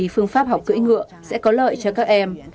phương pháp học cưỡi ngựa sẽ có lợi cho các em